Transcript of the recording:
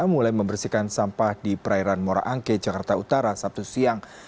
mulai membersihkan sampah di perairan moraangke jakarta utara sabtu siang